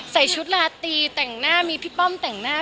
ใส่ชุดลาตีแต่งหน้ามีพี่ป้อมแต่งหน้า